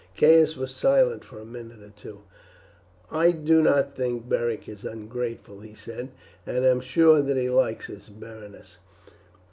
Caius was silent for a minute or two. "I do not think Beric is ungrateful," he said, "and I am sure that he likes us, Berenice."